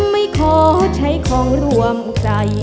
ไม่ขอใช้ของรวมใจ